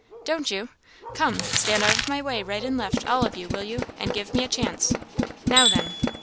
"Don't you? Come! Stand out of my way, right and left, all of you, will you? and give me a chance. Now then!"